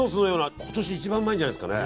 今年一番うまいんじゃないですかね。